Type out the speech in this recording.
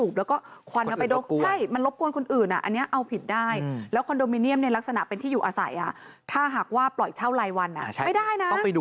โปรดติดตามตอนต่อไป